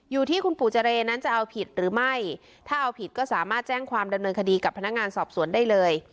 อยู่ที่คุณปู่เจรนั้นจะเอาผิดหรือไม่ถ้าเอาผิดก็สามารถแจ้งความดำเนินคดีกับพนักงานสอบสวนได้เลย